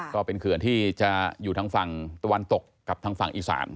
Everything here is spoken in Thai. ก็เป็นเขื่อนที่จะอยู่ทางฝั่งตะวันตกกับทางฝั่งอีสาน